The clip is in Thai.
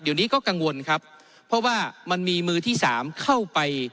เดี๋ยวนี้ก็กังวลครับเพราะว่ามันมีมือที่สามเข้าไป